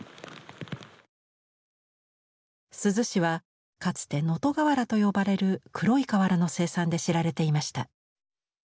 珠洲市はかつて「能登瓦」と呼ばれる黒い瓦の生産で知られていました。